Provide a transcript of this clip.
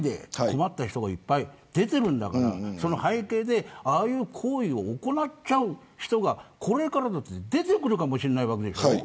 困った人がいっぱい出ているんだからその背景でああいう行為を行っちゃう人がこれからだって出てくるかもしれないでしょ。